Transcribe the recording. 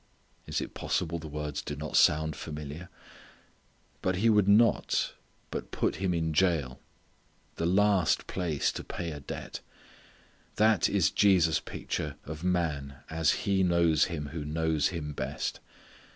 Is it possible the words do not sound familiar! But he would not, but put him in the jail. The last place to pay a debt! That is Jesus' picture of man as He knows him who knows him best.